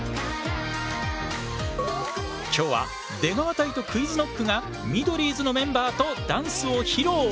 今日は出川隊とＱｕｉｚＫｎｏｃｋがミドリーズのメンバーとダンスを披露！